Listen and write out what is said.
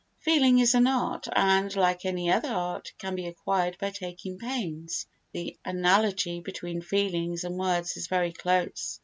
Feeling is an art and, like any other art, can be acquired by taking pains. The analogy between feelings and words is very close.